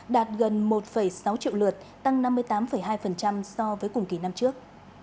đạt gần một sáu triệu lượt tăng năm mươi tám hai so với cùng kỳ năm trước